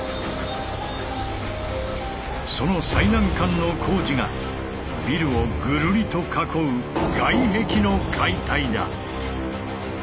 その最難関の工事がビルをぐるりと囲う「外壁」の解体だ。